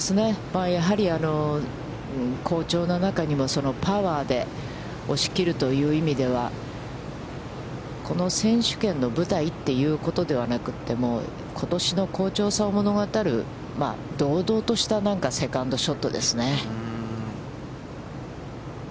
やはり、好調な中にもパワーで押し切るという意味では、この選手権の舞台ということではなくて、ことしの好調さを物語る、堂々としたなんかセカンドショットですね。